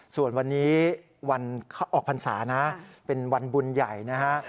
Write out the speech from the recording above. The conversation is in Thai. ส่วนวันนี้วันออกพรรษานะเป็นวันบุญใหญ่นะฮะ